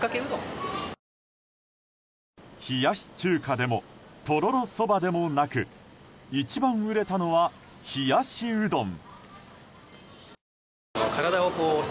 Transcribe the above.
冷やし中華でもとろろそばでもなく一番売れたのは、冷やしうどん。